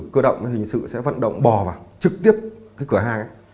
cơ động hình sự sẽ vận động bò vào trực tiếp cái cửa hàng ấy